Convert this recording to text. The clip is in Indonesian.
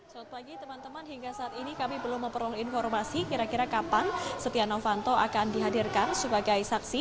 selamat pagi teman teman hingga saat ini kami belum memperoleh informasi kira kira kapan setia novanto akan dihadirkan sebagai saksi